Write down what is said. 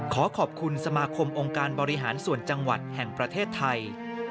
ขอขอบคุณสมาคมองค์การบริหารส่วนจังหวัดแห่งประเทศไทย